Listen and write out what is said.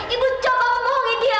ibu coba memohongin dia